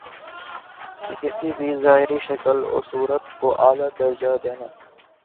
کہ کسی بھی ظاہری شکل و صورت کو الہٰ کا درجہ دینا